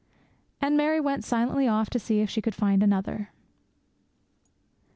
And Mary went silently off to see if she could find another.